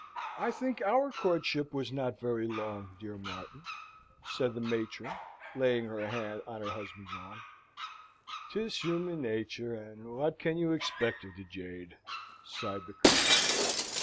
I think our courtship was not very long, dear Martin!" said the matron, laying her hand on her husband's arm. "'Tis human nature, and what can you expect of the jade?" sighed the Colonel.